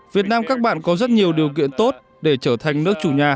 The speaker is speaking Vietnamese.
việt nam các bạn có rất nhiều điều kiện tốt để trở thành nước chủ nhà